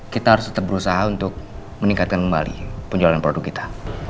kita harus tetap berusaha untuk meningkatkan kembali penjualan produk kita